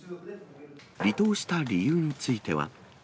離党した理由については。